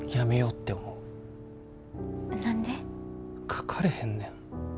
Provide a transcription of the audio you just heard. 書かれへんねん。